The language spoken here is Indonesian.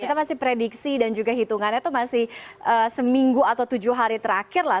kita masih prediksi dan juga hitungannya itu masih seminggu atau tujuh hari terakhir lah